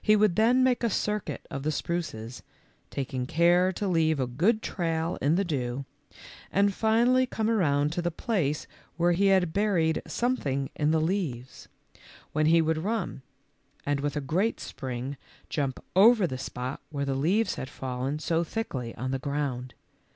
He would then make a circuit of the spruces, taking care to leave a good trail in the dew, and finally come around to the place where he had buried something in the leaves, when 140 THE LITTLE FORESTERS. he would run, and with a great spring, jump over the spot where the leaves had fallen so thickly on the ground.